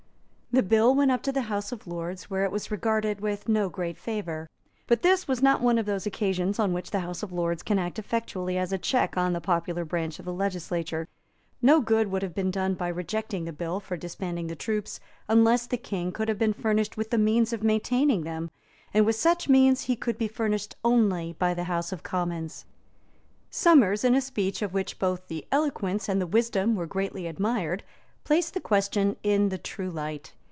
The bill went up to the House of Lords, where it was regarded with no great favour. But this was not one of those occasions on which the House of Lords can act effectually as a check on the popular branch of the legislature. No good would have been done by rejecting the bill for disbanding the troops, unless the King could have been furnished with the means of maintaining them; and with such means he could be furnished only by the House of Commons. Somers, in a speech of which both the eloquence and the wisdom were greatly admired, placed the question in the true light.